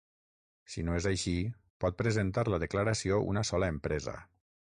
Si no és així, pot presentar la declaració una sola empresa.